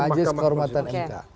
majelis kehormatan mk